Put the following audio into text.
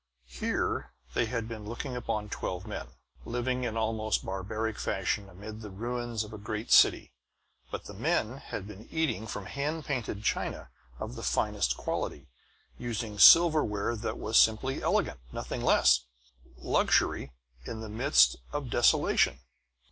Here they had been looking upon twelve men, living in almost barbaric fashion amid the ruins of a great city; but the men had been eating from hand painted china of the finest quality, and using silverware that was simply elegant, nothing less! Luxury in the midst of desolation!